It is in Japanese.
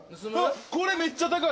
これめっちゃ高い！